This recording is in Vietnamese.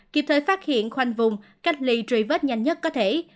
kịp thời phát hiện khoanh vùng cách ly truy vết nhanh nhất có thể